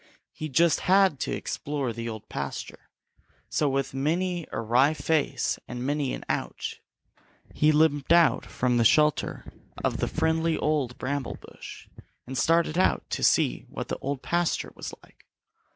He just HAD to explore the Old Pasture. So with many a wry face and many an "Ouch" he limped out from the shelter of the friendly old bramble bush and started out to see what the Old Pasture was like.